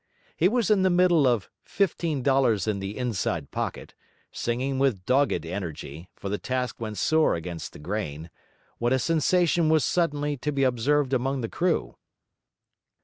He was in the middle of 'Fifteen Dollars in the Inside Pocket,' singing with dogged energy, for the task went sore against the grain, when a sensation was suddenly to be observed among the crew.